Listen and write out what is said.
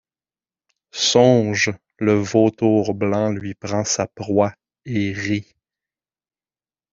Songe ; le vautour blanc lui prend sa proie, et rit ;